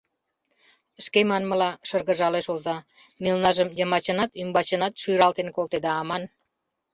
— Шке манмыла, — шыргыжалеш оза, — мелнажым йымачынат, ӱмбачынат шӱралтен колтеда аман.